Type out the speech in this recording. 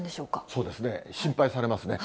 そうですね、心配されますね。